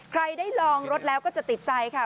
ได้ลองรถแล้วก็จะติดใจค่ะ